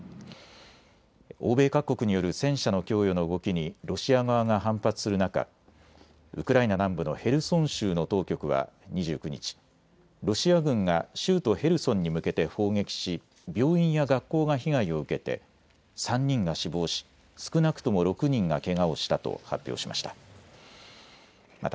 欧米各国による戦車の供与の動きにロシア側が反発する中、ウクライナ南部のヘルソン州の当局は２９日、ロシア軍が州都ヘルソンに向けて砲撃し病院や学校が被害を受けて３人が死亡し、少なくとも６人がけがをしたと発表しました。